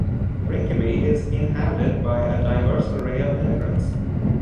Rinkeby is inhabited by a diverse array of immigrants.